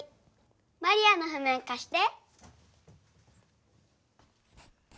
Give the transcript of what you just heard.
マリアのふ面かして。